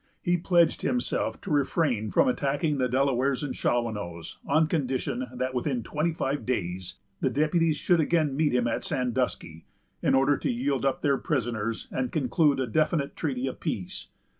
He pledged himself to refrain from attacking the Delawares and Shawanoes, on condition that within twenty five days the deputies should again meet him at Sandusky, in order to yield up their prisoners, and conclude a definite treaty of peace.